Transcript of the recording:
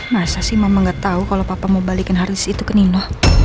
masa sih memang nggak tahu kalau papa mau balikin haris itu ke nino